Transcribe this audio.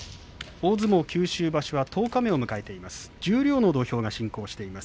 大相撲九州場所は十日目を迎えています。